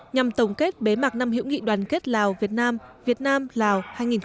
nhằm tổng kết bế mạc năm hữu nghị đoàn kết lào việt nam việt nam lào hai nghìn một mươi tám